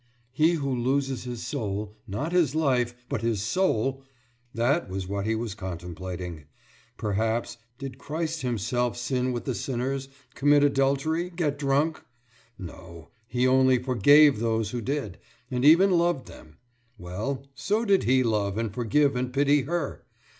»He who loses his soul« not his life, but his soul.... That was what he was contemplating. Perhaps ... did Christ himself sin with the sinners, commit adultery, get drunk? No, he only forgave those who did, and even loved them. Well, so did he love and forgive and pity her.